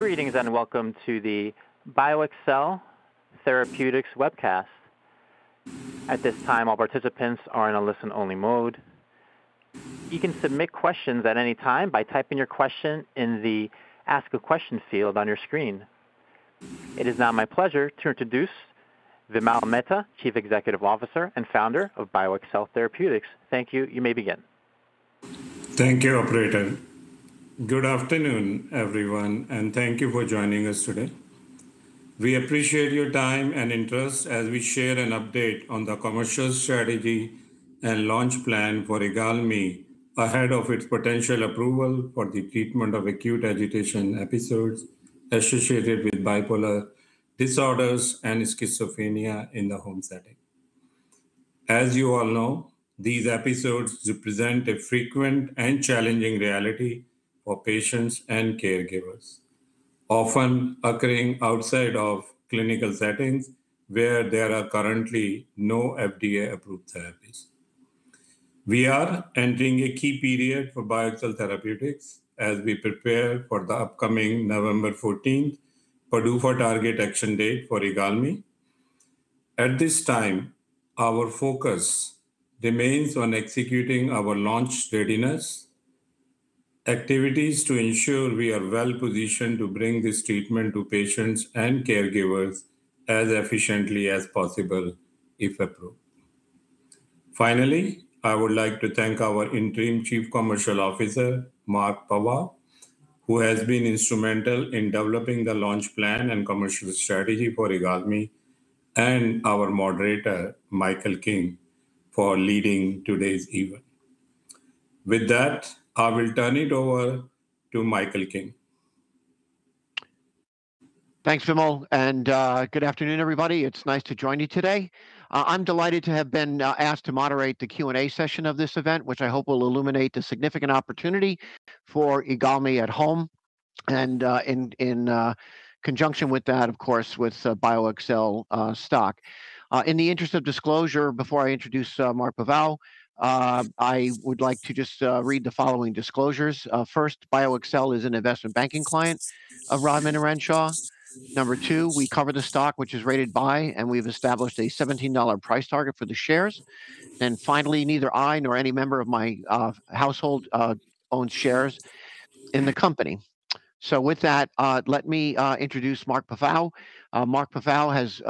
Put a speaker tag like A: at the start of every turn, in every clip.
A: Greetings, and welcome to the BioXcel Therapeutics webcast. At this time, all participants are in a listen-only mode. You can submit questions at any time by typing your question in the Ask a Question field on your screen. It is now my pleasure to introduce Vimal Mehta, Chief Executive Officer and Founder of BioXcel Therapeutics. Thank you. You may begin.
B: Thank you, operator. Good afternoon, everyone, and thank you for joining us today. We appreciate your time and interest as we share an update on the commercial strategy and launch plan for IGALMI ahead of its potential approval for the treatment of acute agitation episodes associated with bipolar disorders and schizophrenia in the home setting. As you all know, these episodes represent a frequent and challenging reality for patients and caregivers, often occurring outside of clinical settings where there are currently no FDA-approved therapies. We are entering a key period for BioXcel Therapeutics as we prepare for the upcoming November 14th PDUFA target action date for IGALMI. At this time, our focus remains on executing our launch readiness activities to ensure we are well-positioned to bring this treatment to patients and caregivers as efficiently as possible, if approved. Finally, I would like to thank our Interim Chief Commercial Officer, Mark Pavao, who has been instrumental in developing the launch plan and commercial strategy for IGALMI, and our moderator, Michael King, for leading today's event. With that, I will turn it over to Michael King.
C: Thanks, Vimal, and good afternoon, everybody. It's nice to join you today. I'm delighted to have been asked to moderate the Q&A session of this event, which I hope will illuminate the significant opportunity for IGALMI for at-home use and, in conjunction with that, of course, with BioXcel stock. In the interest of disclosure, before I introduce Mark Pavao, I would like to just read the following disclosures. First, BioXcel is an investment banking client of Rodman & Renshaw. Number two, we cover the stock, which is rated buy, and we've established a $17 price target for the shares. Finally, neither I nor any member of my household owns shares in the company. With that, let me introduce Mark Pavao. Mark Pavao has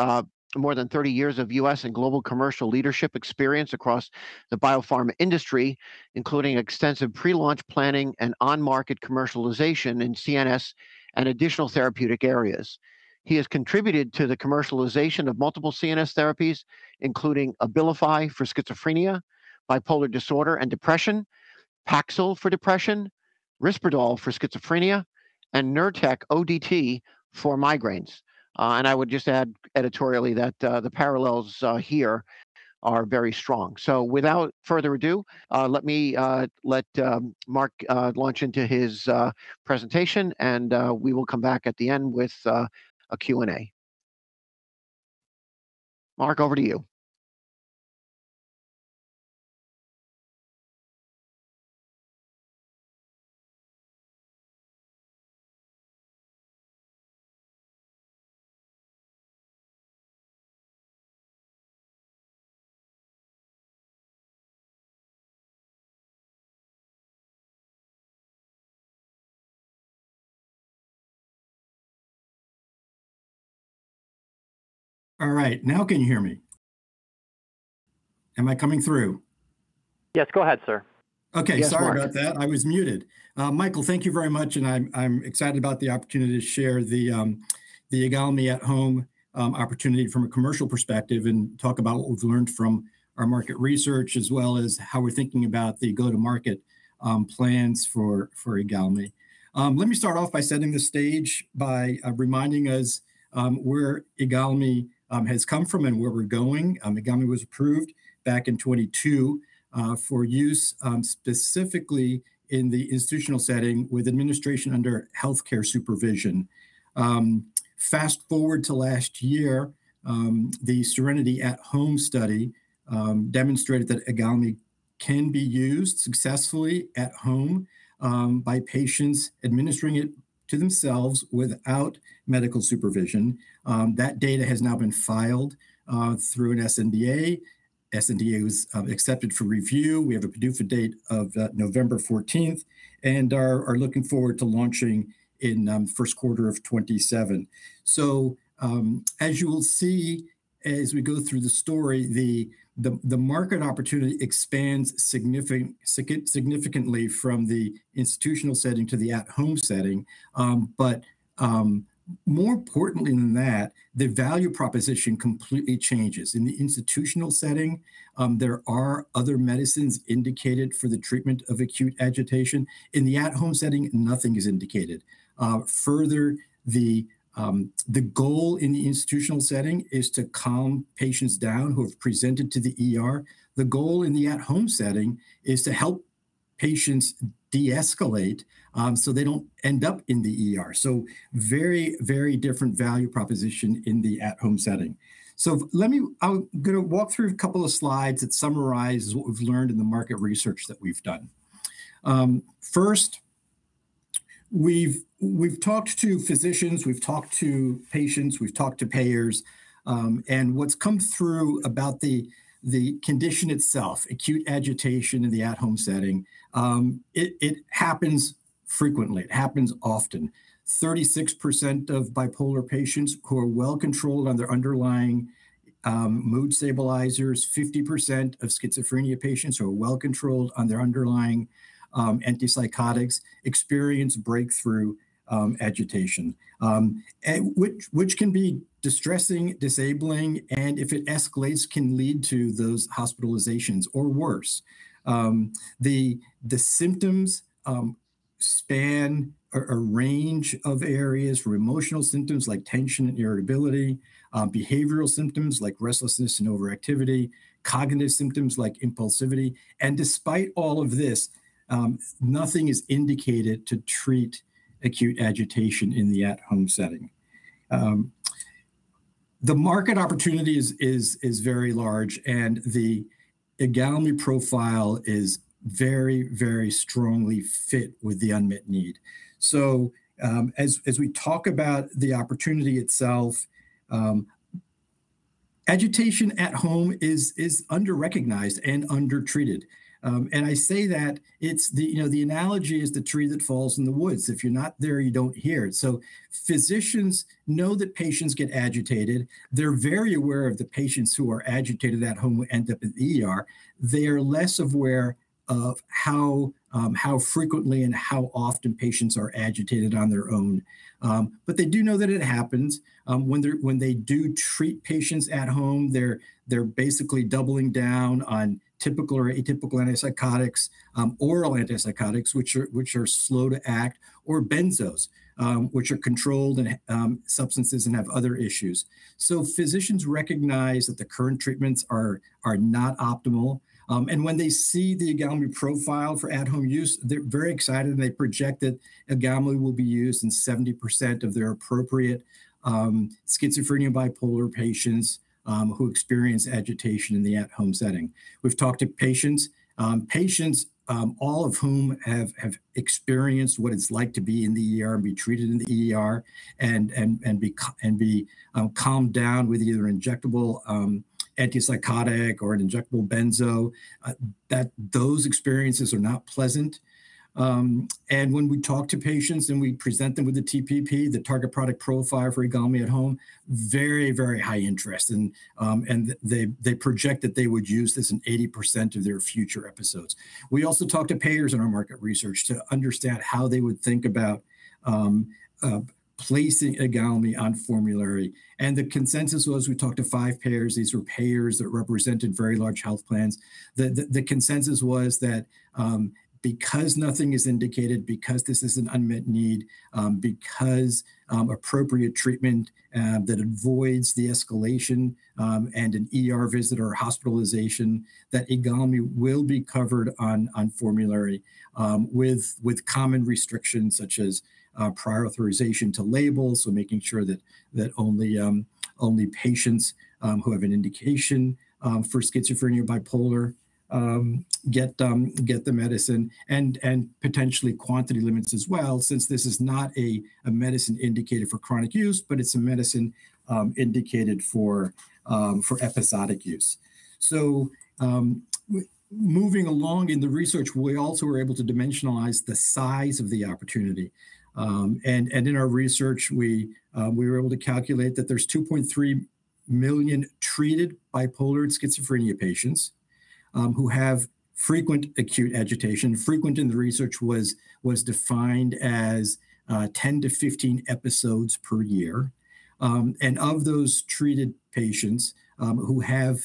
C: more than 30 years of U.S. and global commercial leadership experience across the biopharma industry, including extensive pre-launch planning and on-market commercialization in CNS and additional therapeutic areas. He has contributed to the commercialization of multiple CNS therapies, including Abilify for schizophrenia, bipolar disorder, and depression, Paxil for depression, Risperdal for schizophrenia, and Nurtec ODT for migraines. I would just add editorially that the parallels here are very strong. Without further ado, let me let Mark launch into his presentation, and we will come back at the end with a Q&A. Mark, over to you.
D: All right. Now can you hear me? Am I coming through?
A: Yes, go ahead, sir.
D: Okay.
C: Yes, Mark.
D: Sorry about that. I was muted. Michael, thank you very much, and I'm excited about the opportunity to share the IGALMI at-home opportunity from a commercial perspective and talk about what we've learned from our market research, as well as how we're thinking about the go-to-market plans for IGALMI. Let me start off by setting the stage by reminding us where IGALMI has come from and where we're going. IGALMI was approved back in 2022 for use specifically in the institutional setting with administration under healthcare supervision. Fast-forward to last year, the SERENITY At-Home study demonstrated that IGALMI can be used successfully at home by patients administering it to themselves without medical supervision. That data has now been filed through an sNDA. sNDA was accepted for review. We have a PDUFA date of November 14th and are looking forward to launching in first quarter of 2027. As you will see as we go through the story, the market opportunity expands significantly from the institutional setting to the at-home setting. More importantly than that, the value proposition completely changes. In the institutional setting, there are other medicines indicated for the treatment of acute agitation. In the at-home setting, nothing is indicated. Further, the goal in the institutional setting is to calm patients down who have presented to the ER. The goal in the at-home setting is to help patients deescalate so they don't end up in the ER. Very different value proposition in the at-home setting. I'm going to walk through a couple of slides that summarizes what we've learned in the market research that we've done. First, we've talked to physicians, we've talked to patients, we've talked to payers, and what's come through about the condition itself, acute agitation in the at-home setting, it happens frequently, it happens often. 36% of bipolar patients who are well-controlled on their underlying mood stabilizers, 50% of schizophrenia patients who are well-controlled on their underlying antipsychotics, experience breakthrough agitation. Which can be distressing, disabling, and if it escalates, can lead to those hospitalizations or worse. The symptoms span a range of areas from emotional symptoms like tension and irritability, behavioral symptoms like restlessness and overactivity, cognitive symptoms like impulsivity, and despite all of this, nothing is indicated to treat acute agitation in the at-home setting. The market opportunity is very large, and the IGALMI profile is very, very strongly fit with the unmet need. As we talk about the opportunity itself, agitation at home is under-recognized and under-treated. I say that, the analogy is the tree that falls in the woods. If you're not there, you don't hear it. Physicians know that patients get agitated. They're very aware of the patients who are agitated at home who end up in the ER. They are less aware of how frequently and how often patients are agitated on their own. They do know that it happens. When they do treat patients at home, they're basically doubling down on typical or atypical antipsychotics, oral antipsychotics, which are slow to act, or benzos, which are controlled substances and have other issues. Physicians recognize that the current treatments are not optimal. When they see the IGALMI profile for at-home use, they're very excited and they project that IGALMI will be used in 70% of their appropriate schizophrenia, bipolar patients who experience agitation in the at-home setting. We've talked to patients, all of whom have experienced what it's like to be in the ER and be treated in the ER and be calmed down with either injectable antipsychotic or an injectable benzo. Those experiences are not pleasant. When we talk to patients and we present them with the TPP, the target product profile for IGALMI at Home, very, very high interest. They project that they would use this in 80% of their future episodes. We also talked to payers in our market research to understand how they would think about placing IGALMI on formulary. The consensus was, we talked to five payers, these were payers that represented very large health plans. The consensus was that because nothing is indicated, because this is an unmet need, because appropriate treatment that avoids the escalation and an ER visit or hospitalization, that IGALMI will be covered on formulary with common restrictions such as prior authorization to label. Making sure that only patients who have an indication for schizophrenia, bipolar, get the medicine, and potentially quantity limits as well, since this is not a medicine indicated for chronic use, but it's a medicine indicated for episodic use. Moving along in the research, we also were able to dimensionalize the size of the opportunity. In our research, we were able to calculate that there's 2.3 million treated bipolar and schizophrenia patients who have frequent acute agitation. Frequent in the research was defined as 10 to 15 episodes per year. Of those treated patients who have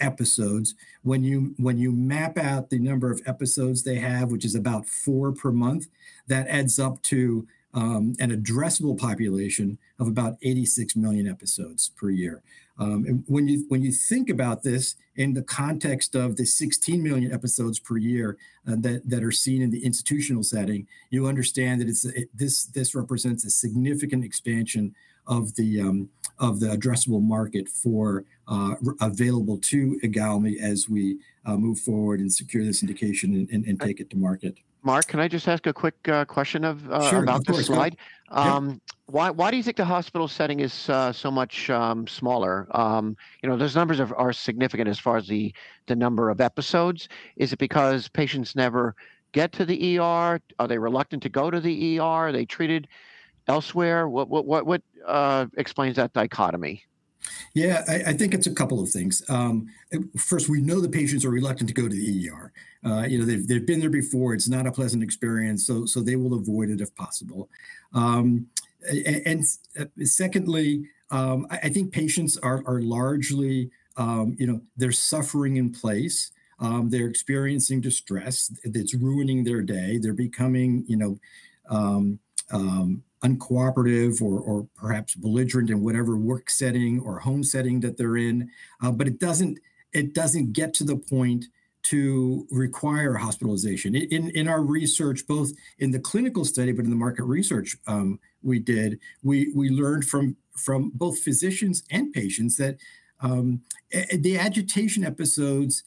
D: episodes, when you map out the number of episodes they have, which is about four per month, that adds up to an addressable population of about 86 million episodes per year. When you think about this in the context of the 16 million episodes per year that are seen in the institutional setting, you understand that this represents a significant expansion of the addressable market available to IGALMI as we move forward and secure this indication and take it to market.
C: Mark, can I just ask a quick question about this slide?
D: Sure, of course. Yeah.
C: Why do you think the hospital setting is so much smaller? Those numbers are significant as far as the number of episodes. Is it because patients never get to the ER? Are they reluctant to go to the ER? Are they treated elsewhere? What explains that dichotomy?
D: Yeah, I think it's a couple of things. First, we know the patients are reluctant to go to the ER. They've been there before. It's not a pleasant experience. So they will avoid it if possible. Secondly, I think patients are largely, they're suffering in place. They're experiencing distress that's ruining their day. They're becoming uncooperative or perhaps belligerent in whatever work setting or home setting that they're in. It doesn't get to the point to require hospitalization. In our research, both in the clinical study, but in the market research we did, we learned from both physicians and patients that the agitation episodes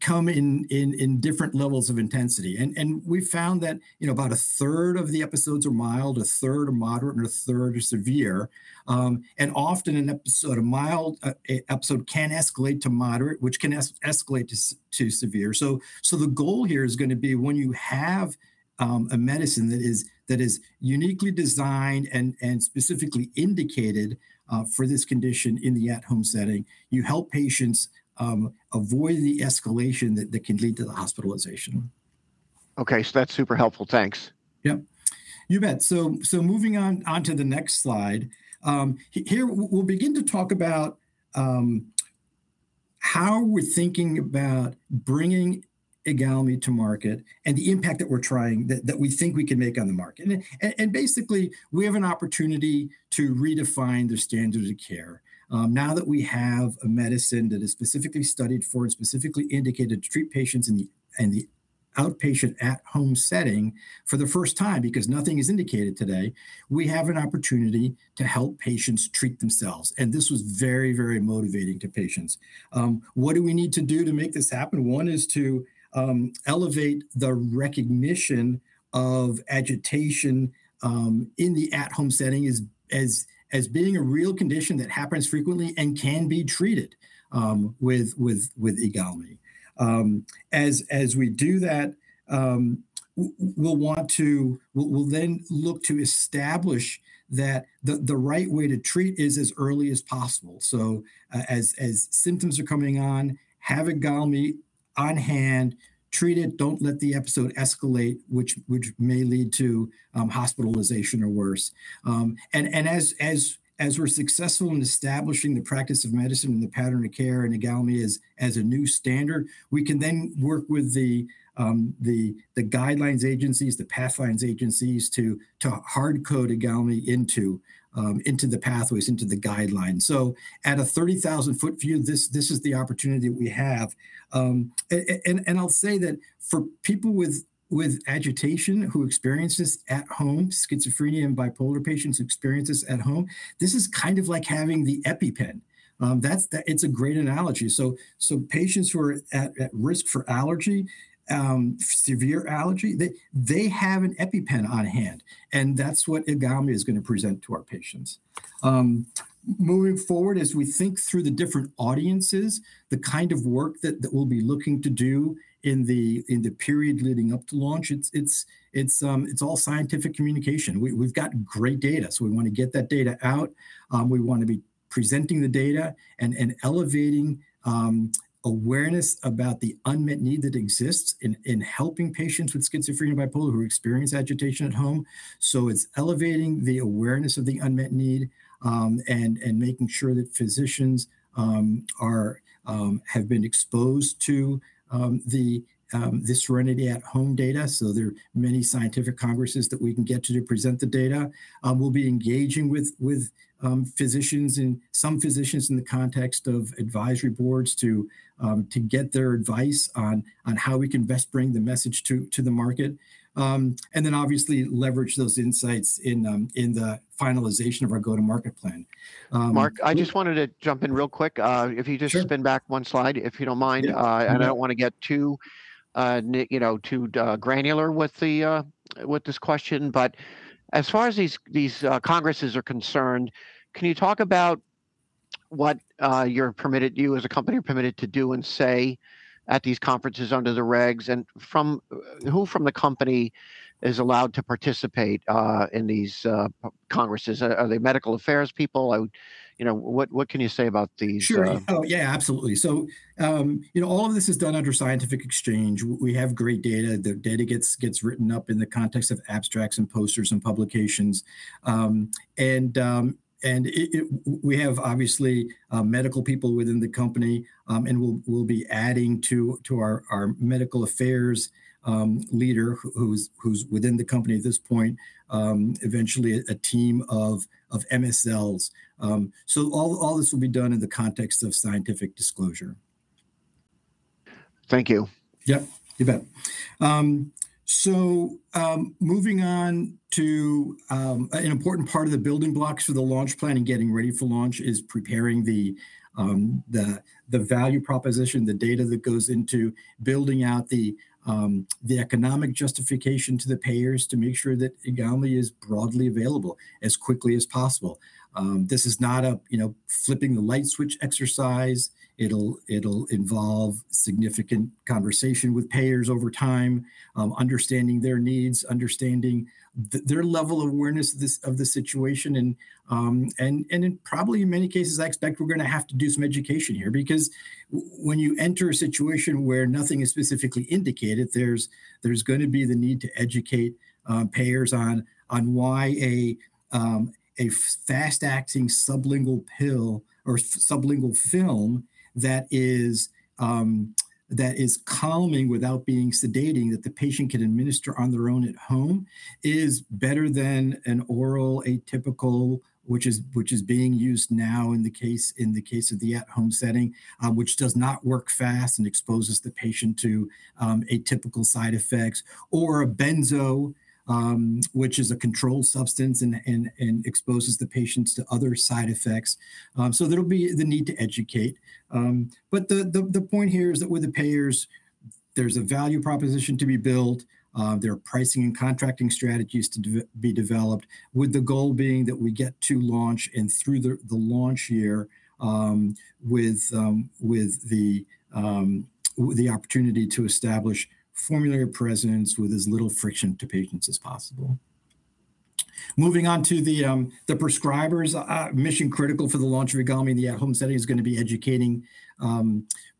D: come in different levels of intensity. We've found that about 1/3 of the episodes are mild, 1/3 are moderate, and 1/3 are severe. Often an episode, a mild episode, can escalate to moderate, which can escalate to severe. The goal here is going to be when you have a medicine that is uniquely designed and specifically indicated for this condition in the at-home setting, you help patients avoid the escalation that can lead to the hospitalization.
C: Okay. That's super helpful. Thanks.
D: Yep. You bet. Moving on to the next slide. Here, we'll begin to talk about how we're thinking about bringing IGALMI to market and the impact that we think we can make on the market. Basically, we have an opportunity to redefine the standard of care. Now that we have a medicine that is specifically studied for and specifically indicated to treat patients in the outpatient at-home setting for the first time, because nothing is indicated today, we have an opportunity to help patients treat themselves. This was very, very motivating to patients. What do we need to do to make this happen? One is to elevate the recognition of agitation in the at-home setting as being a real condition that happens frequently and can be treated with IGALMI. As we do that, we'll then look to establish that the right way to treat is as early as possible. As symptoms are coming on, have IGALMI on hand, treat it, don't let the episode escalate, which may lead to hospitalization or worse. As we're successful in establishing the practice of medicine and the pattern of care in IGALMI as a new standard, we can then work with the guideline agencies, the pathway agencies to hard code IGALMI into the pathways, into the guidelines. At a 30,000-foot view, this is the opportunity that we have. I'll say that for people with agitation who experience this at home, schizophrenia and bipolar patients experience this at home, this is like having the EpiPen. It's a great analogy. Patients who are at risk for allergy, severe allergy, they have an EpiPen on hand, and that's what IGALMI is going to present to our patients. Moving forward, as we think through the different audiences, the kind of work that we'll be looking to do in the period leading up to launch, it's all scientific communication. We've got great data, so we want to get that data out. We want to be presenting the data and elevating awareness about the unmet need that exists in helping patients with schizophrenia and bipolar who experience agitation at home. It's elevating the awareness of the unmet need, and making sure that physicians have been exposed to the SERENITY At-Home data. There are many scientific congresses that we can get to present the data. We'll be engaging with physicians and some physicians in the context of advisory boards to get their advice on how we can best bring the message to the market. Obviously leverage those insights in the finalization of our go-to-market plan.
C: Mark, I just wanted to jump in real quick. If you just spin back one slide, if you don't mind. I don't want to get too granular with this question. As far as these congresses are concerned, can you talk about what you as a company are permitted to do and say at these conferences under the regs, and who from the company is allowed to participate in these congresses? Are they medical affairs people? What can you say about these-
D: Sure. Oh, yeah. Absolutely. All of this is done under scientific exchange. We have great data. The data gets written up in the context of abstracts and posters and publications. We have, obviously, medical people within the company. We'll be adding to our medical affairs leader, who's within the company at this point, eventually a team of MSLs. All this will be done in the context of scientific disclosure.
C: Thank you.
D: Yep. You bet. Moving on to an important part of the building blocks for the launch plan and getting ready for launch is preparing the value proposition, the data that goes into building out the economic justification to the payers to make sure that IGALMI is broadly available as quickly as possible. This is not a flipping the light switch exercise. It'll involve significant conversation with payers over time, understanding their needs, understanding their level of awareness of the situation, and probably in many cases, I expect we're going to have to do some education here because when you enter a situation where nothing is specifically indicated, there's going to be the need to educate payers on why a fast-acting sublingual pill or sublingual film that is calming without being sedating that the patient can administer on their own at home is better than an oral atypical, which is being used now in the case of the at-home setting, which does not work fast and exposes the patient to atypical side effects, or a benzo, which is a controlled substance and exposes the patients to other side effects. So there'll be the need to educate. The point here is that with the payers there's a value proposition to be built. There are pricing and contracting strategies to be developed with the goal being that we get to launch and through the launch year with the opportunity to establish formulary presence with as little friction to patients as possible. Moving on to the prescribers. Mission critical for the launch of IGALMI in the at-home setting is going to be educating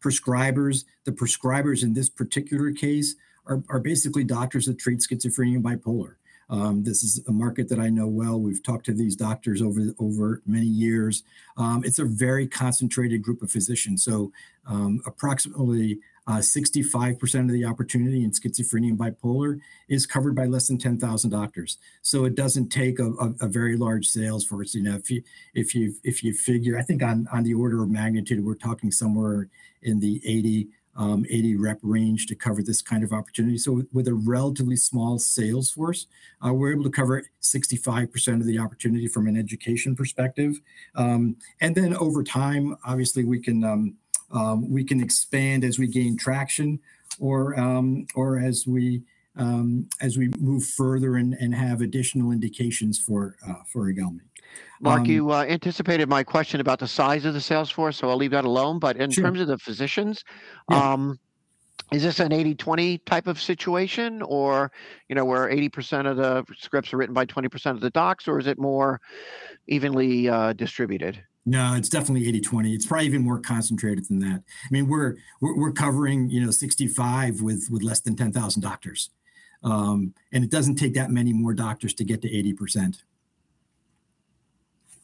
D: prescribers. The prescribers in this particular case are basically doctors that treat schizophrenia and bipolar. This is a market that I know well. We've talked to these doctors over many years. It's a very concentrated group of physicians. Approximately 65% of the opportunity in schizophrenia and bipolar is covered by less than 10,000 doctors. It doesn't take a very large sales force. If you figure, I think on the order of magnitude, we're talking somewhere in the 80 rep range to cover this kind of opportunity. With a relatively small sales force, we're able to cover 65% of the opportunity from an education perspective. Over time, obviously we can expand as we gain traction or as we move further and have additional indications for IGALMI.
C: Mark, you anticipated my question about the size of the sales force, so I'll leave that alone.
D: Sure.
C: In terms of the physicians, is this an 80/20 type of situation or where 80% of the scripts are written by 20% of the docs, or is it more evenly distributed?
D: No, it's definitely 80/20. It's probably even more concentrated than that. We're covering 65% with less than 10,000 doctors. It doesn't take that many more doctors to get to 80%.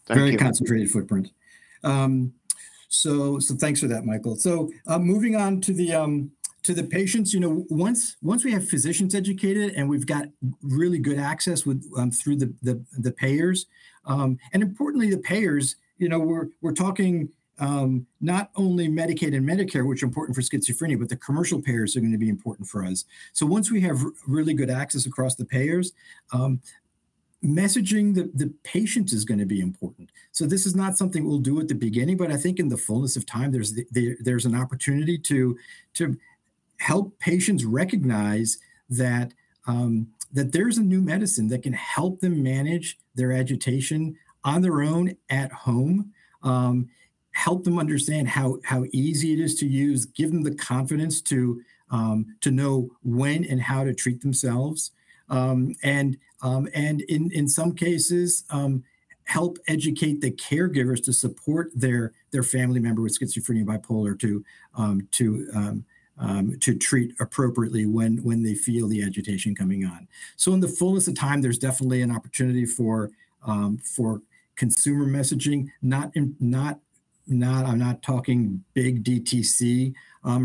C: Thank you.
D: Very concentrated footprint. Thanks for that, Michael. Moving on to the patients. Once we have physicians educated and we've got really good access through the payers. Importantly, the payers, we're talking not only Medicaid and Medicare, which are important for schizophrenia, but the commercial payers are going to be important for us. Once we have really good access across the payers, messaging the patients is going to be important. This is not something we'll do at the beginning, but I think in the fullness of time, there's an opportunity to help patients recognize that there's a new medicine that can help them manage their agitation on their own at home, help them understand how easy it is to use, give them the confidence to know when and how to treat themselves, and in some cases help educate the caregivers to support their family member with schizophrenia and bipolar to treat appropriately when they feel the agitation coming on. In the fullness of time, there's definitely an opportunity for consumer messaging. I'm not talking big DTC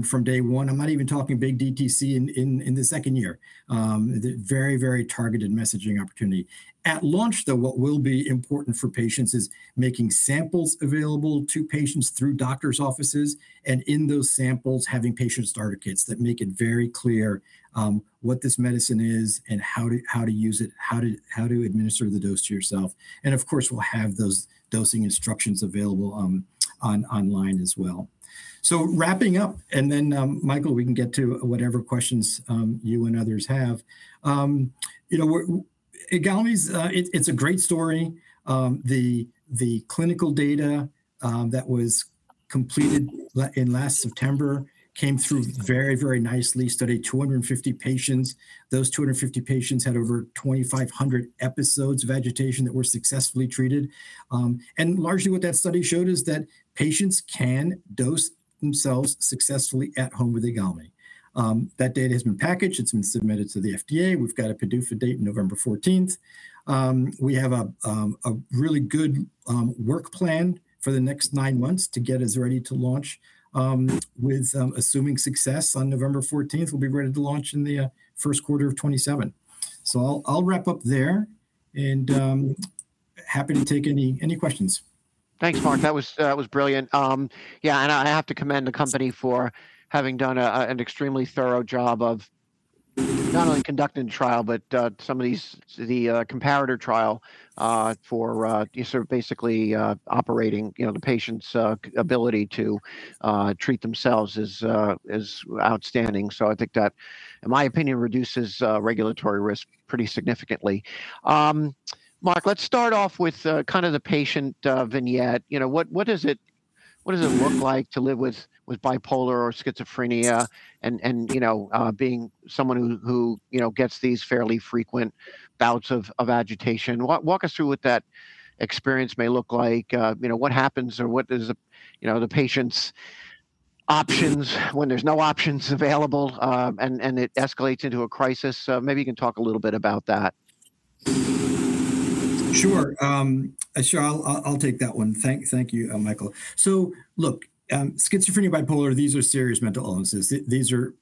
D: from day one. I'm not even talking big DTC in the second year. Very targeted messaging opportunity. At launch, though, what will be important for patients is making samples available to patients through doctors' offices, and in those samples, having patient starter kits that make it very clear what this medicine is and how to use it, how to administer the dose to yourself. Of course, we'll have those dosing instructions available online as well. Wrapping up, and then Michael, we can get to whatever questions you and others have. IGALMI, it's a great story. The clinical data that was completed in last September came through very nicely, studied 250 patients. Those 250 patients had over 2,500 episodes of agitation that were successfully treated. Largely what that study showed is that patients can dose themselves successfully at home with IGALMI. That data has been packaged. It's been submitted to the FDA. We've got a PDUFA date, November 14th. We have a really good work plan for the next nine months to get us ready to launch. Assuming success on November 14th, we'll be ready to launch in the first quarter of 2027. I'll wrap up there and I'm happy to take any questions.
C: Thanks, Mark. That was brilliant. Yeah, I have to commend the company for having done an extremely thorough job of not only conducting trial, but some of these, the comparator trial for sort of basically operating the patient's ability to treat themselves is outstanding. I think that, in my opinion, reduces regulatory risk pretty significantly. Mark, let's start off with kind of the patient vignette. What does it look like to live with bipolar or schizophrenia and being someone who gets these fairly frequent bouts of agitation? Walk us through what that experience may look like. What happens or what is the patient's options when there's no options available and it escalates into a crisis? Maybe you can talk a little bit about that.
D: Sure. I'll take that one. Thank you, Michael. Look, schizophrenia, bipolar, these are serious mental illnesses. These are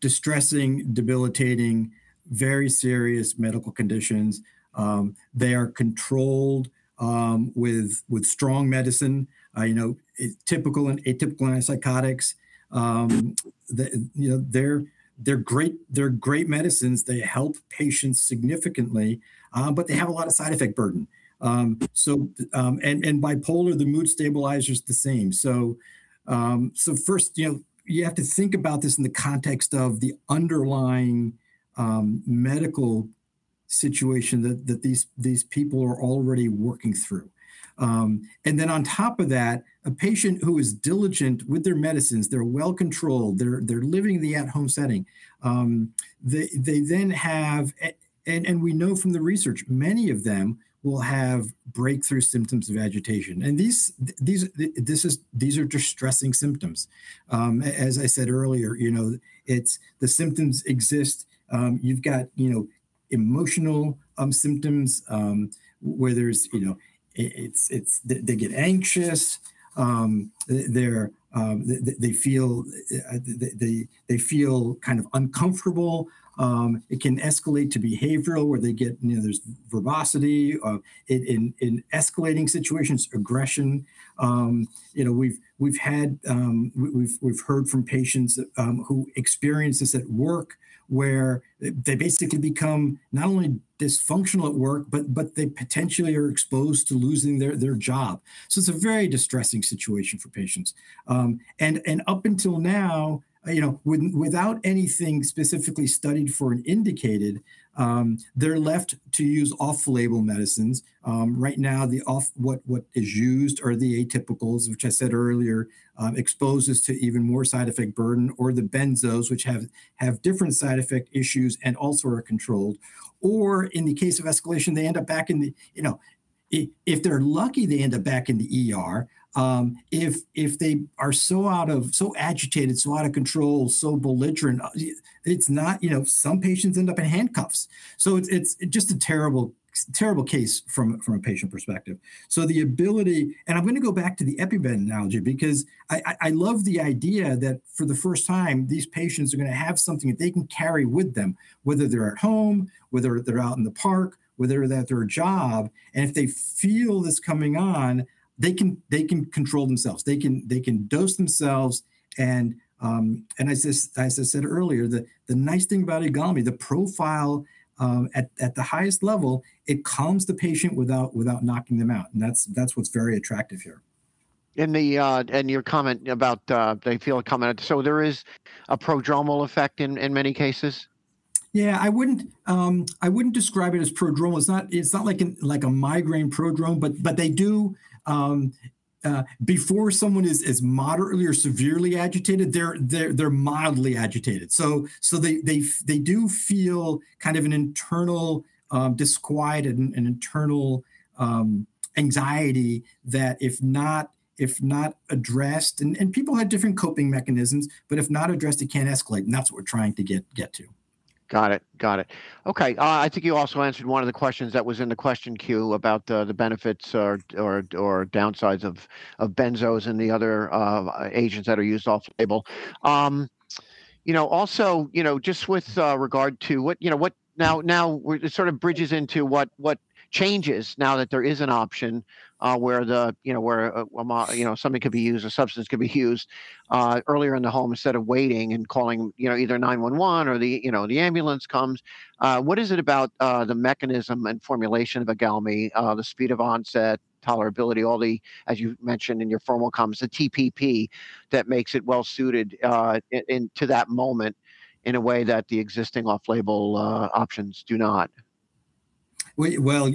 D: distressing, debilitating, very serious medical conditions. They are controlled with strong medicine, typical and atypical antipsychotics. They're great medicines. They help patients significantly, but they have a lot of side effect burden. Bipolar, the mood stabilizer is the same. First, you have to think about this in the context of the underlying medical situation that these people are already working through. Then on top of that, a patient who is diligent with their medicines, they're well-controlled, they're living in the at-home setting. They then have, and we know from the research, many of them will have breakthrough symptoms of agitation. These are distressing symptoms. As I said earlier, the symptoms exist. You've got emotional symptoms, where they get anxious. They feel kind of uncomfortable. It can escalate to behavioral, where there's verbosity in escalating situations, aggression. We've heard from patients who experience this at work, where they basically become not only dysfunctional at work, but they potentially are exposed to losing their job. It's a very distressing situation for patients. Up until now, without anything specifically studied for and indicated, they're left to use off-label medicines. Right now, what is used are the atypicals, which I said earlier, exposes to even more side effect burden, or the benzos, which have different side effect issues and also are controlled. In the case of escalation, if they're lucky, they end up back in the ER. If they are so agitated, so out of control, so belligerent, some patients end up in handcuffs. It's just a terrible case from a patient perspective. The ability, and I'm going to go back to the EpiPen analogy, because I love the idea that for the first time, these patients are going to have something that they can carry with them, whether they're at home, whether they're out in the park, whether they're at their job. If they feel this coming on, they can control themselves. They can dose themselves. As I said earlier, the nice thing about IGALMI, the profile at the highest level, it calms the patient without knocking them out. That's what's very attractive here.
C: Your comment about they feel it coming on. There is a prodromal effect in many cases?
D: Yeah, I wouldn't describe it as prodromal. It's not like a migraine prodrome. Before someone is moderately or severely agitated, they're mildly agitated. They do feel kind of an internal disquiet and an internal anxiety that if not addressed, and people have different coping mechanisms, but if not addressed, it can escalate, and that's what we're trying to get to.
C: Got it. Okay. I think you also answered one of the questions that was in the question queue about the benefits or downsides of benzos and the other agents that are used off-label. Now it sort of bridges into what changes now that there is an option where something could be used, a substance could be used earlier in the home instead of waiting and calling either 911 or the ambulance comes. What is it about the mechanism and formulation of IGALMI, the speed of onset, tolerability, all the, as you mentioned in your formal comments, the TPP that makes it well-suited into that moment in a way that the existing off-label options do not?
D: Well, I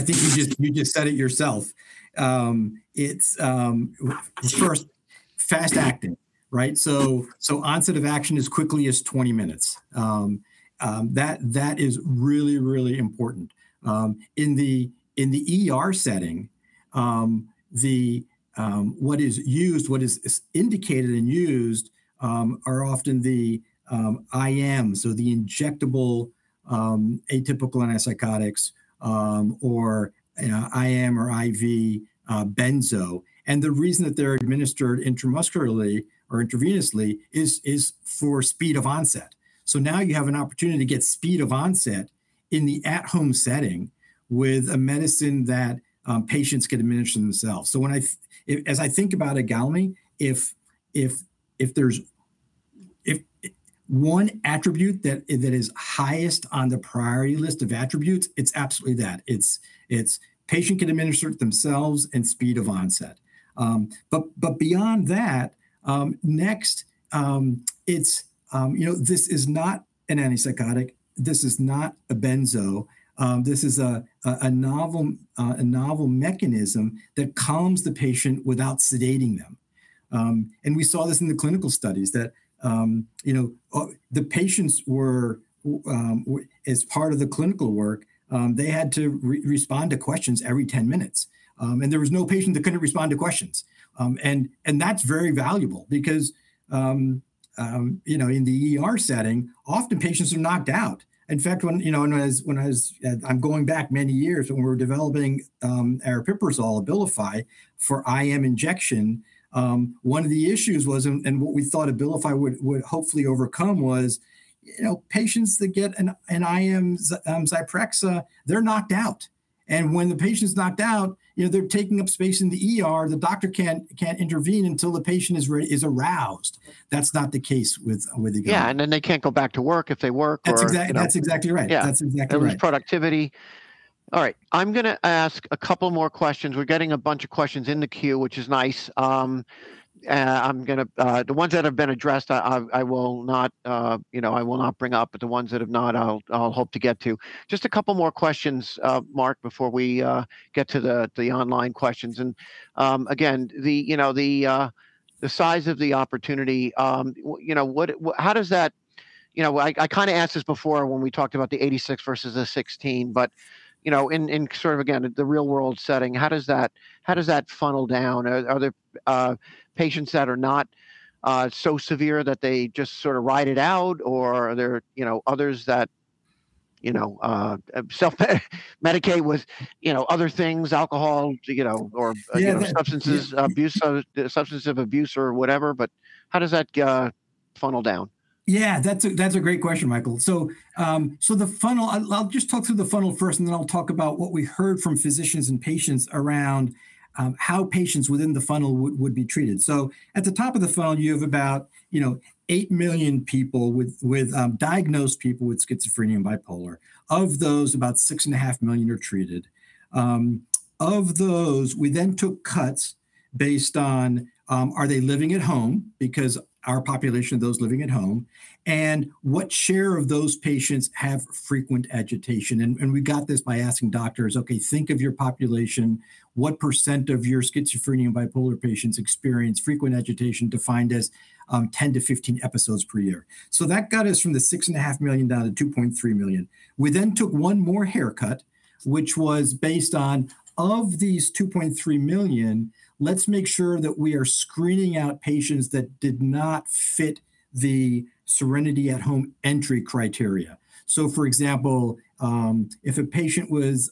D: think you just said it yourself. It's first, fast-acting, right? Onset of action as quickly as 20 minutes. That is really, really important. In the ER setting, what is indicated and used are often the IM, so the injectable atypical antipsychotics, or IM or IV benzo. The reason that they're administered intramuscularly or intravenously is for speed of onset. Now you have an opportunity to get speed of onset in the at-home setting with a medicine that patients can administer themselves. As I think about IGALMI, if one attribute that is highest on the priority list of attributes, it's absolutely that. It's patient can administer it themselves and speed of onset. But beyond that, next, this is not an antipsychotic. This is not a benzo. This is a novel mechanism that calms the patient without sedating them. We saw this in the clinical studies that the patients as part of the clinical work, they had to respond to questions every 10 minutes, and there was no patient that couldn't respond to questions. That's very valuable because, in the ER setting, often patients are knocked out. In fact, I'm going back many years when we were developing aripiprazole, Abilify, for IM injection. One of the issues was, and what we thought Abilify would hopefully overcome was, patients that get an IM Zyprexa, they're knocked out. When the patient's knocked out, they're taking up space in the ER. The doctor can't intervene until the patient is aroused. That's not the case with IGALMI.
C: Yeah, they can't go back to work if they work or.
D: That's exactly right.
C: Yeah.
D: That's exactly right.
C: There's productivity. All right. I'm going to ask a couple more questions. We're getting a bunch of questions in the queue, which is nice. The ones that have been addressed, I will not bring up, but the ones that have not, I'll hope to get to. Just a couple more questions, Mark, before we get to the online questions. Again, the size of the opportunity, I kind of asked this before when we talked about the 86 million versus the 16 million, but in sort of, again, the real-world setting, how does that funnel down? Are there patients that are not so severe that they just sort of ride it out, or are there others that medicate with other things, alcohol or
D: Yeah
C: substance abuse or whatever, but how does that funnel down?
D: Yeah, that's a great question, Michael. I'll just talk through the funnel first, and then I'll talk about what we heard from physicians and patients around how patients within the funnel would be treated. At the top of the funnel, you have about 8 million diagnosed people with schizophrenia and bipolar. Of those, about 6.5 million are treated. Of those, we then took cuts based on, are they living at home? Because our population, those living at home, and what share of those patients have frequent agitation? We got this by asking doctors, "Okay, think of your population. What percent of your schizophrenia and bipolar patients experience frequent agitation defined as 10 to 15 episodes per year?" That got us from the 6.5 million down to 2.3 million. We then took one more haircut, which was based on these 2.3 million. Let's make sure that we are screening out patients that did not fit the SERENITY At-Home entry criteria. For example, if a patient was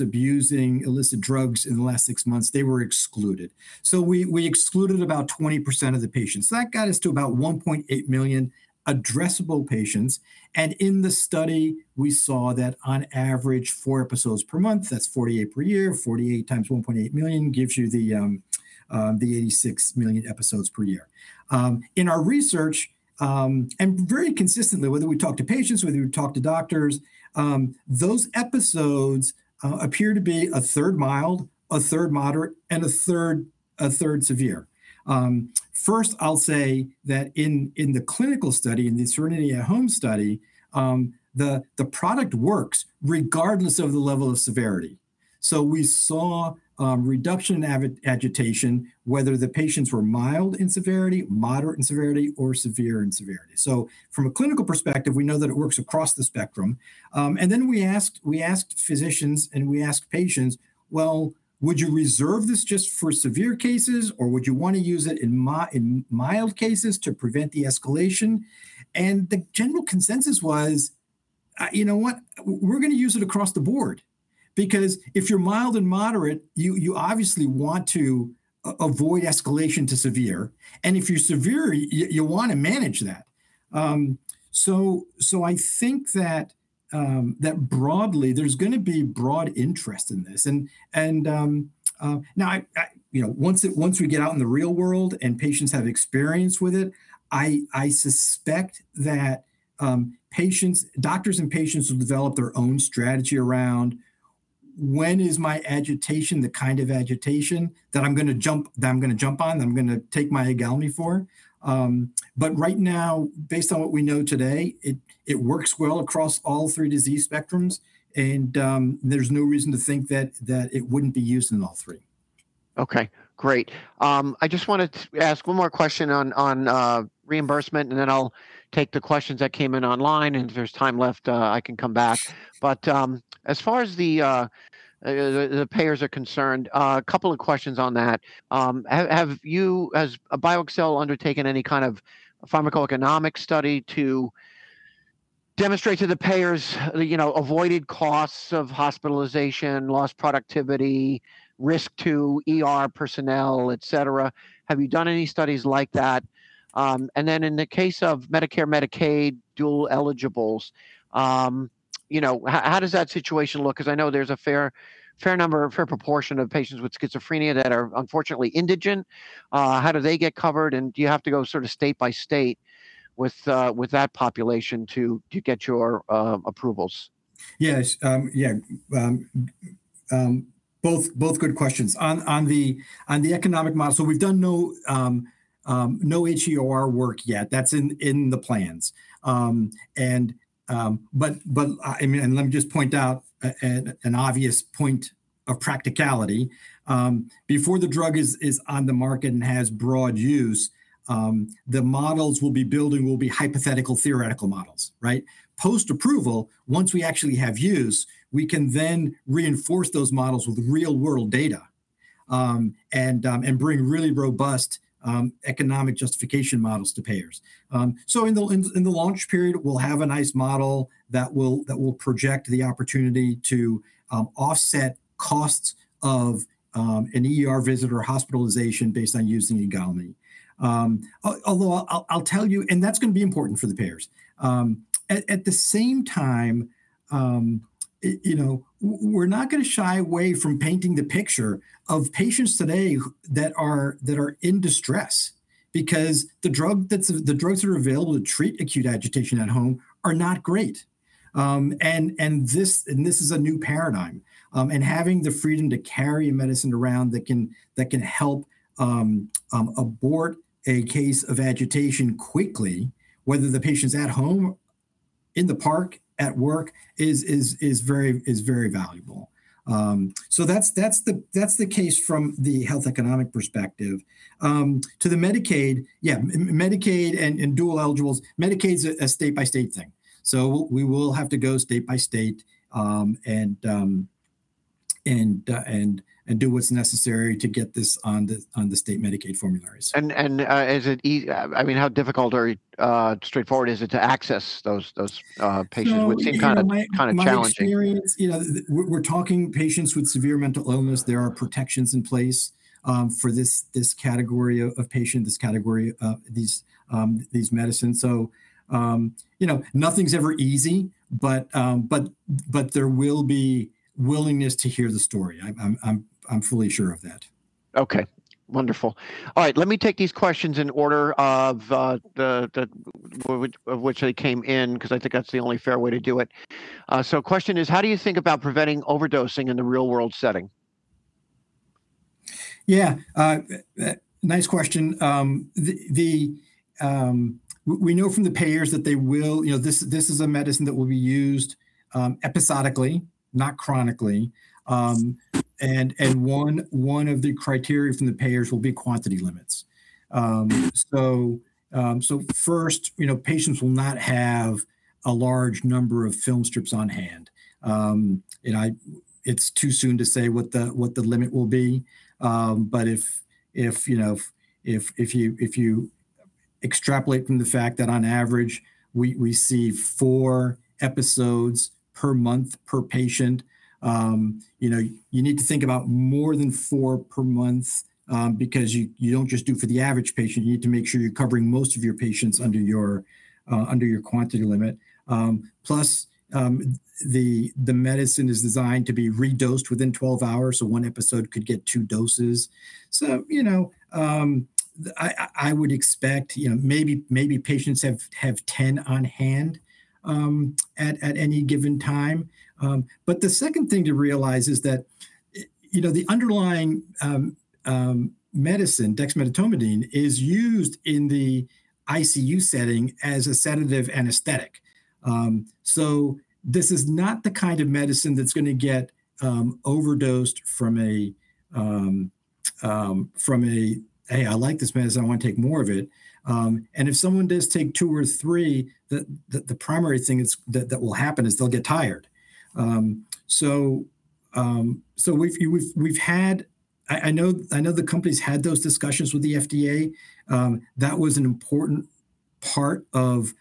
D: abusing illicit drugs in the last six months, they were excluded. We excluded about 20% of the patients. That got us to about 1.8 million addressable patients, and in the study, we saw that on average, four episodes per month, that's 48 per year. 48 times 1.8 million gives you the 86 million episodes per year. In our research, and very consistently, whether we talk to patients, whether we talk to doctors, those episodes appear to be 1/3 mild, 1/3 moderate, and 1/3 severe. First, I'll say that in the clinical study, in the SERENITY At-Home study, the product works regardless of the level of severity. We saw a reduction in agitation, whether the patients were mild in severity, moderate in severity, or severe in severity. From a clinical perspective, we know that it works across the spectrum. Then we asked physicians, and we asked patients, "Well, would you reserve this just for severe cases, or would you want to use it in mild cases to prevent the escalation?" The general consensus was, "You know what? We're going to use it across the board." Because if you're mild and moderate, you obviously want to avoid escalation to severe. If you're severe, you want to manage that. I think that broadly, there's going to be broad interest in this. Once we get out in the real world and patients have experience with it, I suspect that doctors and patients will develop their own strategy around when is my agitation the kind of agitation that I'm going to jump on, that I'm going to take my IGALMI for. Right now, based on what we know today, it works well across all three disease spectrums, and there's no reason to think that it wouldn't be used in all three.
C: Okay. Great. I just wanted to ask one more question on reimbursement, and then I'll take the questions that came in online, and if there's time left, I can come back. As far as the payers are concerned, a couple of questions on that. Have you, as BioXcel, undertaken any kind of pharmacoeconomic study to demonstrate to the payers avoided costs of hospitalization, lost productivity, risk to ER personnel, et cetera? Have you done any studies like that? And then in the case of Medicare, Medicaid, dual eligibles, how does that situation look? Because I know there's a fair number, a fair proportion of patients with schizophrenia that are unfortunately indigent. How do they get covered, and do you have to go sort of state by state with that population to get your approvals?
D: Yes. Both good questions. On the economic model, we've done no HEOR work yet. That's in the plans. Let me just point out an obvious point of practicality. Before the drug is on the market and has broad use, the models we'll be building will be hypothetical, theoretical models, right? Post-approval, once we actually have use, we can then reinforce those models with real-world data, and bring really robust economic justification models to payers. In the launch period, we'll have a nice model that will project the opportunity to offset costs of an ER visit or hospitalization based on using IGALMI. Although I'll tell you, and that's going to be important for the payers. At the same time, we're not going to shy away from painting the picture of patients today that are in distress because the drugs that are available to treat acute agitation at home are not great. This is a new paradigm, and having the freedom to carry medicine around that can help abort a case of agitation quickly, whether the patient's at home, in the park, at work, is very valuable. That's the case from the health economic perspective. To the Medicaid, yeah, Medicaid and dual eligibles, Medicaid's a state-by-state thing. We will have to go state by state and do what's necessary to get this on the state Medicaid formularies.
C: Is it easy, how difficult or straightforward is it to access those patients? It would seem kind of challenging.
D: In my experience, we're talking patients with severe mental illness. There are protections in place for this category of patient, this category of these medicines. Nothing's ever easy, but there will be willingness to hear the story. I'm fully sure of that.
C: Okay. Wonderful. All right. Let me take these questions in order of which they came in, because I think that's the only fair way to do it. Question is, how do you think about preventing overdosing in the real-world setting?
D: Yeah. Nice question. We know from the payers, this is a medicine that will be used episodically, not chronically. One of the criteria from the payers will be quantity limits. First, patients will not have a large number of film strips on hand. It's too soon to say what the limit will be. If you extrapolate from the fact that on average we see four episodes per month per patient, you need to think about more than four episodes per month, because you don't just do for the average patient, you need to make sure you're covering most of your patients under your quantity limit. The medicine is designed to be redosed within 12 hours, so one episode could get two doses. I would expect, maybe patients have 10 on-hand at any given time. The second thing to realize is that the underlying medicine, dexmedetomidine, is used in the ICU setting as a sedative anesthetic. This is not the kind of medicine that's going to get overdosed from a, "Hey, I like this medicine, I want to take more of it." If someone does take two or three, the primary thing is that that will happen, is they'll get tired. I know the company's had those discussions with the FDA. That was an important part of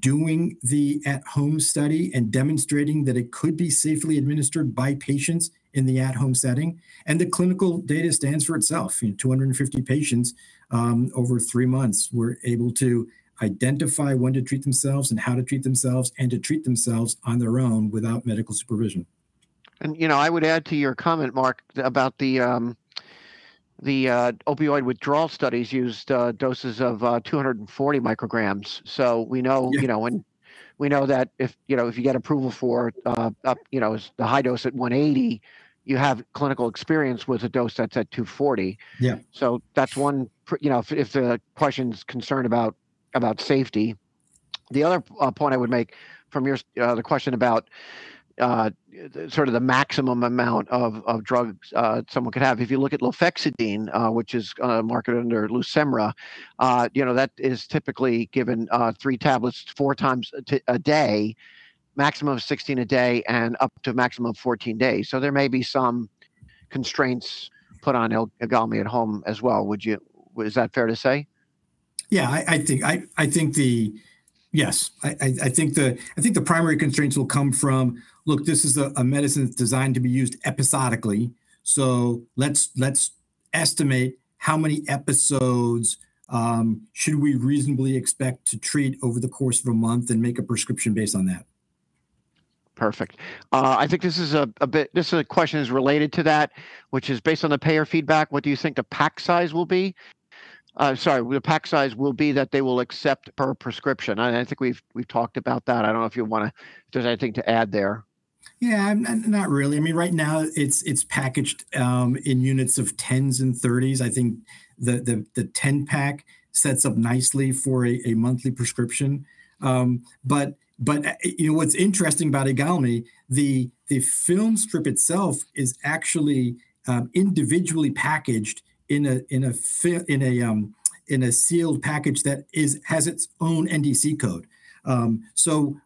D: doing the at-home study and demonstrating that it could be safely administered by patients in the at-home setting, and the clinical data stands for itself. 250 patients, over three months, were able to identify when to treat themselves and how to treat themselves, and to treat themselves on their own without medical supervision.
C: I would add to your comment, Mark, about the opioid withdrawal studies used doses of 240 mcg. We know-
D: Yeah
C: We know that if you get approval for the high dose at 180 mcg, you have clinical experience with a dose that's at 240 mcg.
D: Yeah.
C: That's one, if the question's concerned about safety. The other point I would make from the question about sort of the maximum amount of drugs someone could have. If you look at lofexidine, which is marketed under Lucemyra, that is typically given three tablets, 4x a day, maximum of 16x a day, and up to a maximum of 14 days. There may be some constraints put on IGALMI at home as well. Is that fair to say?
D: Yeah. Yes. I think the primary constraints will come from, look, this is a medicine that's designed to be used episodically. Let's estimate how many episodes should we reasonably expect to treat over the course of a month and make a prescription based on that.
C: Perfect. This question is related to that, which is, based on the payer feedback, what do you think the pack size will be? Sorry, the pack size will be that they will accept per prescription. I think we've talked about that. I don't know if there's anything to add there.
D: Yeah. Not really. Right now it's packaged in units of 10s and 30s. I think the 10-pack sets up nicely for a monthly prescription. What's interesting about IGALMI, the film strip itself is actually individually packaged in a sealed package that has its own NDC code.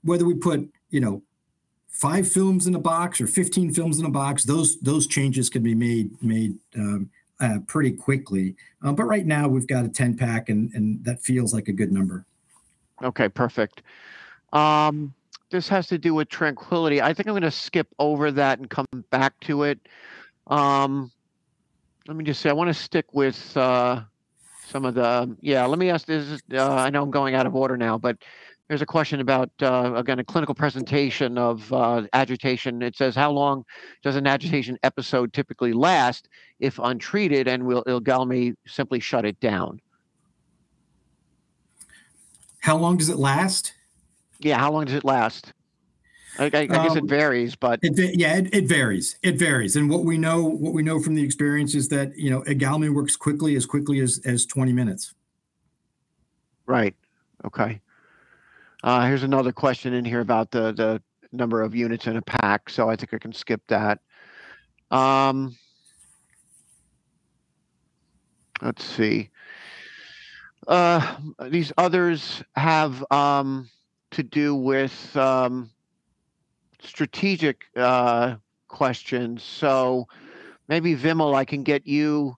D: Whether we put five films in a box or 15 films in a box, those changes can be made pretty quickly. Right now, we've got a 10-pack, and that feels like a good number.
C: Okay, perfect. This has to do with TRANQUILITY. I think I'm going to skip over that and come back to it. Let me just say, I want to stick with some of the, yeah, let me ask this. I know I'm going out of order now, but there's a question about, again, a clinical presentation of agitation. It says, "How long does an agitation episode typically last if untreated, and will IGALMI simply shut it down?
D: How long does it last?
C: Yeah. How long does it last? I guess it varies.
D: Yeah, it varies. What we know from the experience is that IGALMI works quickly, as quickly as 20 minutes.
C: Right. Okay. Here's another question in here about the number of units in a pack, so I think I can skip that. Let's see. These others have to do with strategic questions. Maybe Vimal, I can get you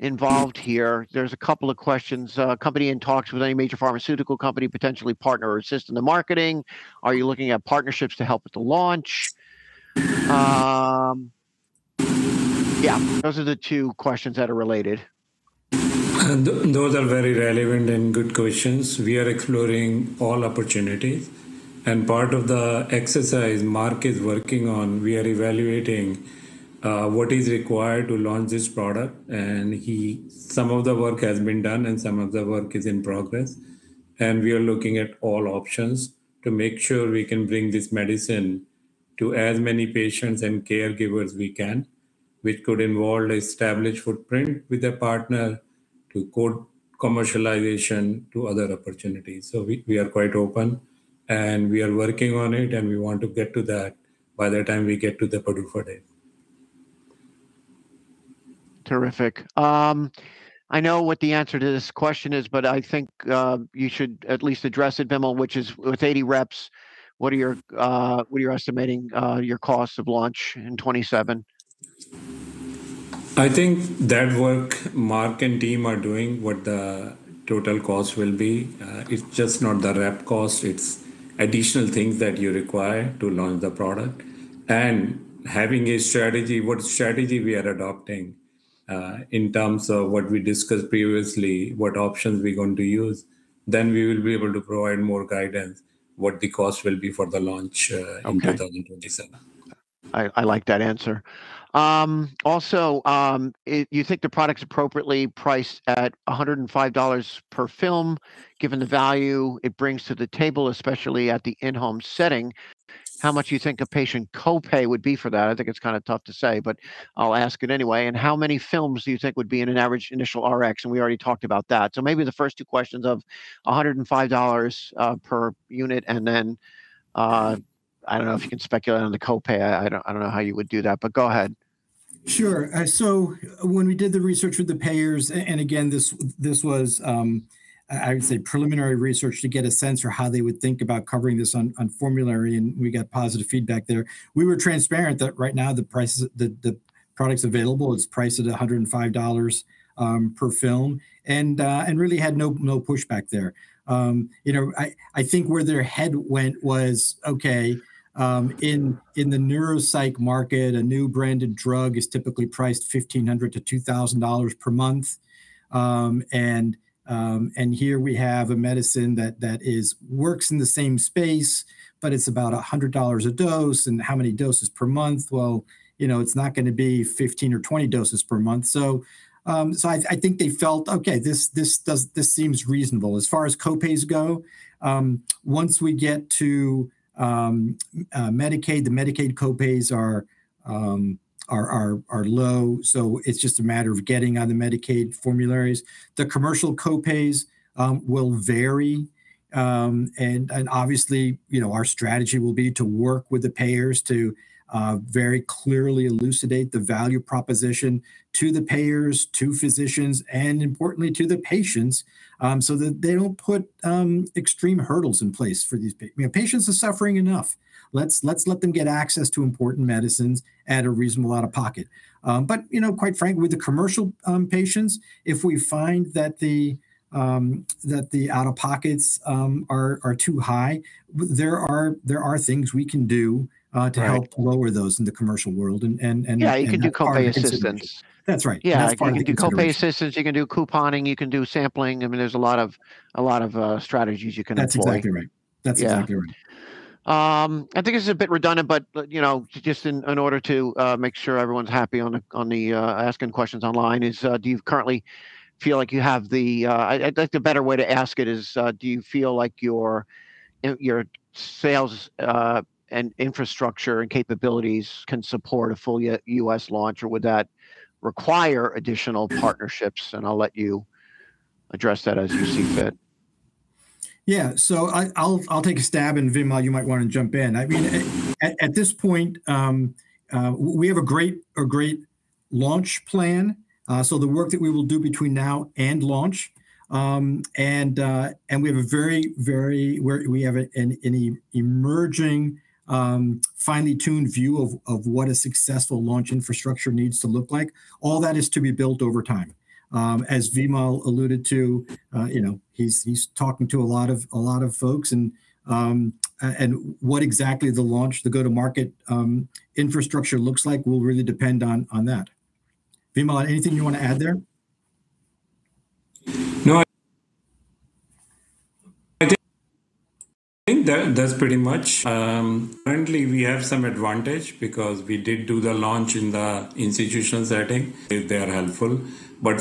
C: involved here. There's a couple of questions. Company in talks with any major pharmaceutical company, potentially partner or assist in the marketing. Are you looking at partnerships to help with the launch? Yeah, those are the two questions that are related.
B: Those are very relevant and good questions. We are exploring all opportunities. Part of the exercise Mark is working on, we are evaluating what is required to launch this product, and some of the work has been done, and some of the work is in progress. We are looking at all options to make sure we can bring this medicine to as many patients and caregivers we can, which could involve established footprint with a partner to co-commercialization to other opportunities. We are quite open, and we are working on it, and we want to get to that by the time we get to the day.
C: Terrific. I know what the answer to this question is, but I think you should at least address it, Vimal, which is, with 80 reps, what are you estimating your cost of launch in 2027?
B: I think that work Mark and team are doing what the total cost will be. It's just not the rep cost, it's additional things that you require to launch the product. Having a strategy, what strategy we are adopting, in terms of what we discussed previously, what options we're going to use, then we will be able to provide more guidance, what the cost will be for the launch.
C: Okay
B: in 2027.
C: I like that answer. Also, you think the product's appropriately priced at $105 per film, given the value it brings to the table, especially at the in-home setting. How much do you think a patient copay would be for that? I think it's kind of tough to say, but I'll ask it anyway. How many films do you think would be in an average initial Rx? We already talked about that. Maybe the first two questions of $105 per unit and then, I don't know if you can speculate on the copay. I don't know how you would do that, but go ahead.
D: Sure. When we did the research with the payers, and again, this was, I would say, preliminary research to get a sense for how they would think about covering this on formulary, and we got positive feedback there. We were transparent that right now the products available is priced at $105 per film, and really had no pushback there. I think where their head went was, okay, in the neuropsych market, a new branded drug is typically pric ed $1,500-$2,000 per month. Here we have a medicine that works in the same space, but it's about $100 a dose. How many doses per month? Well, it's not going to be 15 or 20 doses per month. I think they felt, "Okay, this seems reasonable." As far as copays go, once we get to Medicaid, the Medicaid copays are low, so it's just a matter of getting on the Medicaid formularies. The commercial copays will vary. Obviously, our strategy will be to work with the payers to very clearly elucidate the value proposition to the payers, to physicians, and importantly to the patients, so that they don't put extreme hurdles in place for these patients. Patients are suffering enough. Let's let them get access to important medicines at a reasonable out-of-pocket. Quite frankly, with the commercial patients, if we find that the out-of-pockets are too high, there are things we can do.
C: Right
D: to help lower those in the commercial world and
C: Yeah, you can do copay assistance.
D: That's right. That's part of the consideration.
C: You can do copay assistance, you can do couponing, you can do sampling. I mean, there's a lot of strategies you can employ.
D: That's exactly right.
C: Yeah.
D: That's exactly right.
C: I think this is a bit redundant, but just in order to make sure everyone's happy on the asking questions online, I think the better way to ask it is, do you feel like your sales and infrastructure and capabilities can support a full U.S. launch, or would that require additional partnerships? I'll let you address that as you see fit.
D: Yeah. I'll take a stab and, Vimal, you might want to jump in. At this point, we have a great launch plan, so the work that we will do between now and launch, and we have an emerging, finely tuned view of what a successful launch infrastructure needs to look like. All that is to be built over time. As Vimal alluded to, he's talking to a lot of folks, and what exactly the launch, the go-to-market infrastructure looks like will really depend on that. Vimal, anything you want to add there?
B: No. I think that's pretty much. Currently, we have some advantage because we did do the launch in the institutional setting. They are helpful.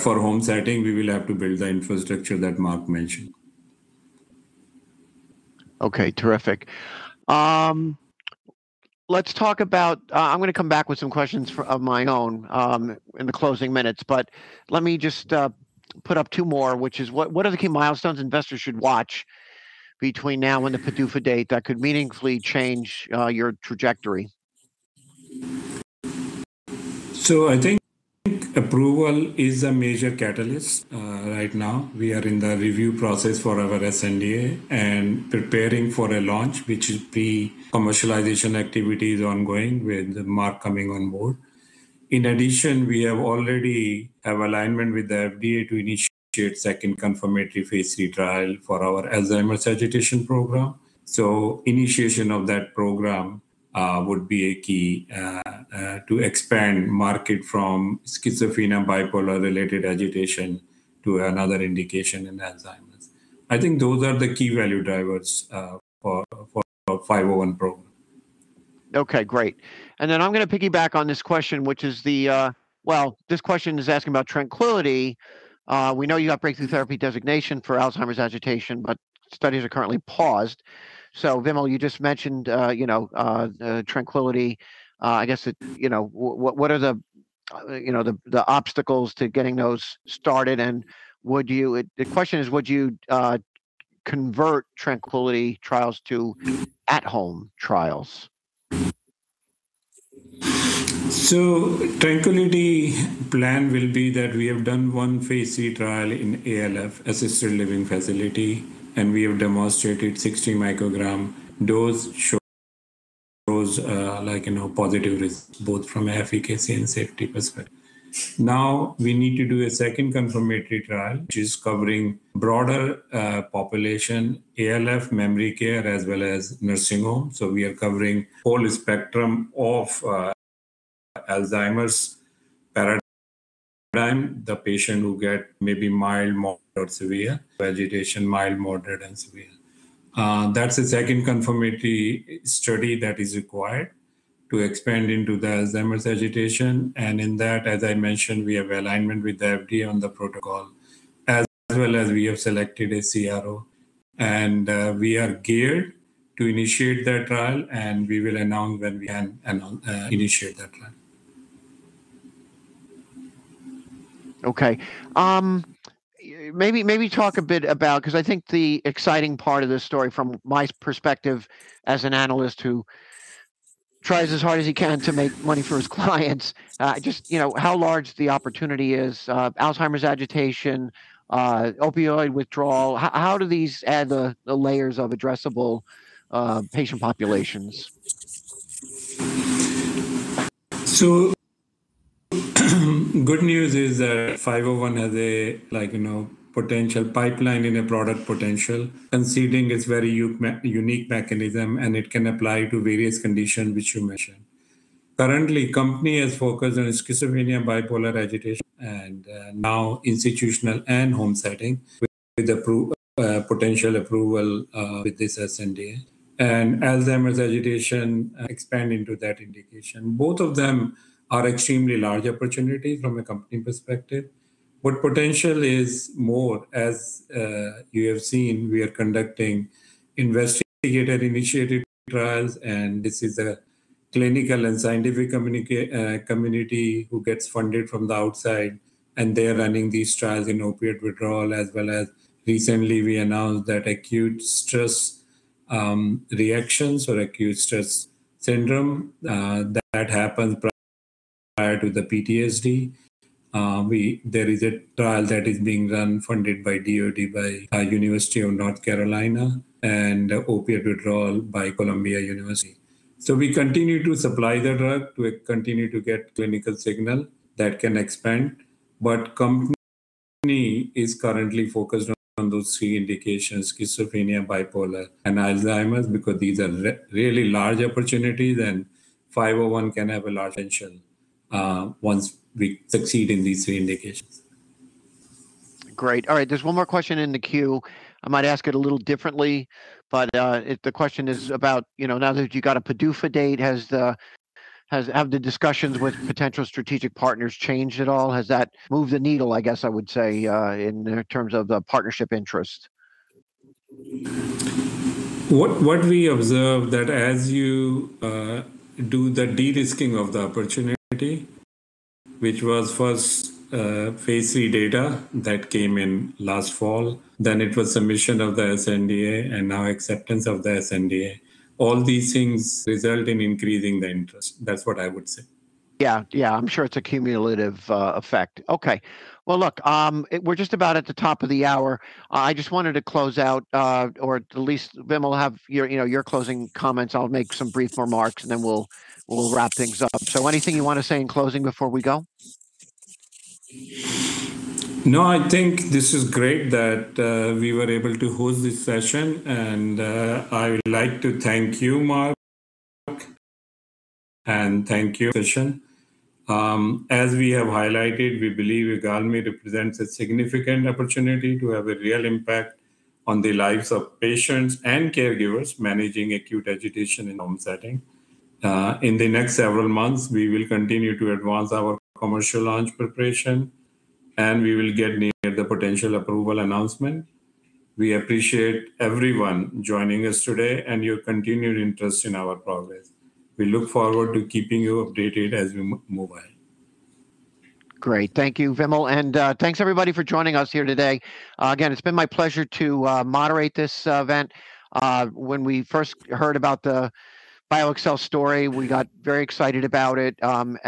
B: For home setting, we will have to build the infrastructure that Mark mentioned.
C: Okay, terrific. I'm going to come back with some questions of my own in the closing minutes, but let me just put up two more, which is, what are the key milestones investors should watch between now and the PDUFA date that could meaningfully change your trajectory?
B: I think approval is a major catalyst. Right now, we are in the review process for our sNDA and preparing for a launch, which the commercialization activity is ongoing with Mark coming on board. In addition, we already have alignment with the FDA to initiate second confirmatory phase III trial for our Alzheimer's agitation program. Initiation of that program would be a key to expand market from schizophrenia, bipolar-related agitation to another indication in Alzheimer's. I think those are the key value drivers for BXCL501 program.
C: Okay, great. I'm going to piggyback on this question, well, this question is asking about TRANQUILITY. We know you got breakthrough therapy designation for Alzheimer's agitation, but studies are currently paused. Vimal, you just mentioned TRANQUILITY. I guess, what are the obstacles to getting those started and the question is, would you convert TRANQUILITY trials to at-home trials?
B: TRANQUILITY plan will be that we have done one phase III trial in ALF, assisted living facility, and we have demonstrated 60 mcg dose shows positive results both from efficacy and safety perspective. Now, we need to do a second confirmatory trial, which is covering broader population, ALF, memory care, as well as nursing home. We are covering whole spectrum of Alzheimer's paradigm, the patient who get maybe mild, moderate, severe agitation, mild, moderate, and severe. That's the second confirmatory study that is required to expand into the Alzheimer's agitation. In that, as I mentioned, we have alignment with the FDA on the protocol, as well as we have selected a CRO, and we are geared to initiate that trial, and we will announce when we can initiate that plan.
C: Okay. Maybe talk a bit about because I think the exciting part of this story from my perspective as an analyst who tries as hard as he can to make money for his clients just how large the opportunity is, Alzheimer's agitation, opioid withdrawal, how do these add the layers of addressable patient populations?
B: Good news is that BXCL501 has a potential pipeline in a product potential. CNS is very unique mechanism, and it can apply to various condition which you mentioned. Currently, company is focused on schizophrenia, bipolar agitation, and now institutional and home setting with potential approval with this sNDA. Alzheimer's agitation expand into that indication. Both of them are extremely large opportunity from a company perspective. Potential is more. As you have seen, we are conducting investigator-initiated trials, and this is a clinical and scientific community who gets funded from the outside, and they are running these trials in opiate withdrawal, as well as recently we announced that acute stress reactions or acute stress syndrome, that happens prior to the PTSD. There is a trial that is being run funded by DoD, by University of North Carolina, and opiate withdrawal by Columbia University. We continue to supply the drug to continue to get clinical signal that can expand. Company is currently focused on those three indications, schizophrenia, bipolar, and Alzheimer's, because these are really large opportunities, and BXCL501 can have a large potential once we succeed in these three indications.
C: Great. All right. There's one more question in the queue. I might ask it a little differently. The question is about, now that you got a PDUFA date, have the discussions with potential strategic partners changed at all? Has that moved the needle, I guess I would say, in terms of the partnership interest?
B: What we observed was that as you do the de-risking of the opportunity, which was first phase III data that came in last fall. It was submission of the sNDA and now acceptance of the sNDA. All these things result in increasing the interest. That's what I would say.
C: Yeah. I'm sure it's a cumulative effect. Okay. Well, look, we're just about at the top of the hour. I just wanted to close out, or at least Vimal have your closing comments. I'll make some brief remarks, and then we'll wrap things up. Anything you want to say in closing before we go?
B: No, I think this is great that we were able to host this session, and I would like to thank you, Mark, and thank you, Krishnan. As we have highlighted, we believe IGALMI represents a significant opportunity to have a real impact on the lives of patients and caregivers managing acute agitation in home setting. In the next several months, we will continue to advance our commercial launch preparation, and we will get nearer to the potential approval announcement. We appreciate everyone joining us today and your continued interest in our progress. We look forward to keeping you updated as we move ahead.
C: Great. Thank you, Vimal. Thanks everybody for joining us here today. Again, it's been my pleasure to moderate this event. When we first heard about the BioXcel story, we got very excited about it. I'm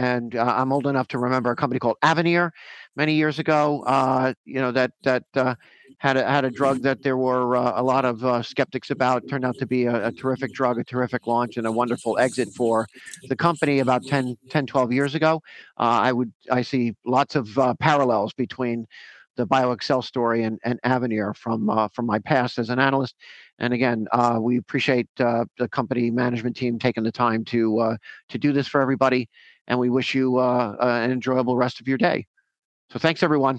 C: old enough to remember a company called Avanir many years ago, that had a drug that there were a lot of skeptics about. Turned out to be a terrific drug, a terrific launch, and a wonderful exit for the company about 10 years, 12 years ago. I see lots of parallels between the BioXcel story and Avanir from my past as an analyst. Again, we appreciate the company management team taking the time to do this for everybody, and we wish you an enjoyable rest of your day. Thanks, everyone.